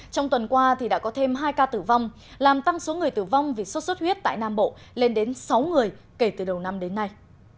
trong tuần qua thì đã có thêm hai ca tử vong làm tăng số người tử vong vì sốt xuất huyết tại nam bộ lên đến sáu người kể từ đầu năm đến nay